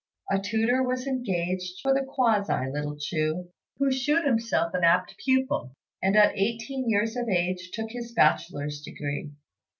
A tutor was engaged for (the quasi) little Chu, who shewed himself an apt pupil, and at eighteen years of age took his bachelor's degree.